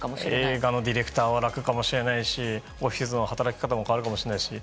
映画のディレクターは楽かもしれないしオフィスの働き方も変わるかもしれないし。